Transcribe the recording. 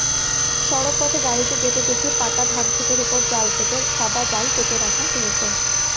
সড়কপথে গাড়িতে যেতে দেখি পাকা ধানখেতের ওপর সাদা জাল পেতে রাখা হয়েছে।